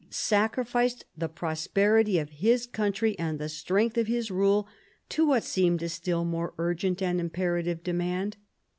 sacrificed the prosperity of his country and the strength of his rule to what seemed a still more urgent and imperative demand.